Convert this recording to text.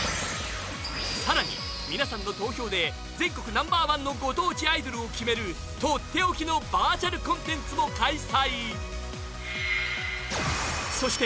さらに、皆さんの投票で全国ナンバーワンのご当地アイドルを決めるとっておきのバーチャルコンテンツも開催。